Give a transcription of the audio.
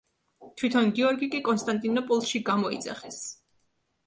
თვითონ გიორგი კი კონსტანტინოპოლში გამოიძახეს.